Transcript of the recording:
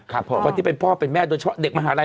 คนที่เป็นพ่อเป็นแม่โดยเฉพาะเด็กมหาลัย